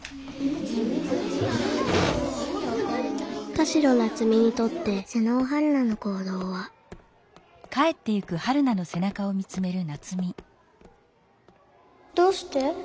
田代ナツミにとって妹尾陽菜のこうどうはどうして？